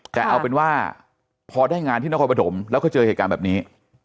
แต่เอาเป็นว่าพอได้งานที่นครปฐมแล้วก็เจอเหตุการณ์แบบนี้